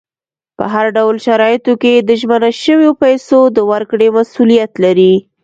په هر ډول شرایطو کې د ژمنه شویو پیسو د ورکړې مسولیت لري.